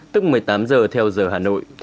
tức một mươi tám giờ theo giờ hà nội